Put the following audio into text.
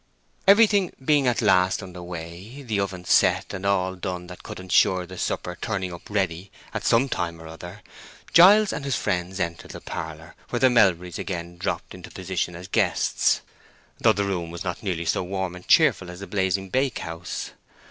Everything being at last under way, the oven set, and all done that could insure the supper turning up ready at some time or other, Giles and his friends entered the parlor, where the Melburys again dropped into position as guests, though the room was not nearly so warm and cheerful as the blazing bakehouse.